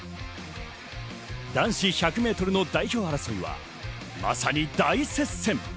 男子１００ｍの代表争いは、まさに大接戦。